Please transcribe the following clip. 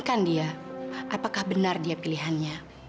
terima kasih banyak teman lain